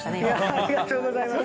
ありがとうございます。